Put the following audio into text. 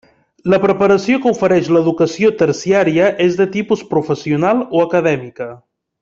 La preparació que ofereix l'educació terciària és de tipus professional o acadèmica.